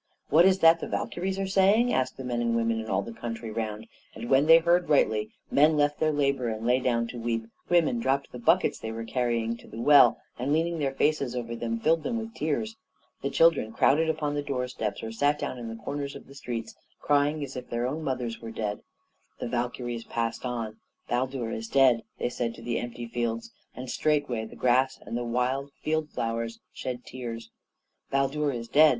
"What is that the Valkyries are saying?" asked the men and women in all the country round, and when they heard rightly, men left their labor and lay down to weep women dropped the buckets they were carrying to the well, and, leaning their faces over them, filled them with tears. The children crowded upon the doorsteps, or sat down at the corners of the streets, crying as if their own mothers were dead. The Valkyries passed on. "Baldur is dead!" they said to the empty fields; and straightway the grass and the wild field flowers shed tears. "Baldur is dead!"